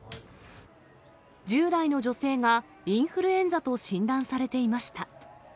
１０代の女性がインフルエンザと診断されていました。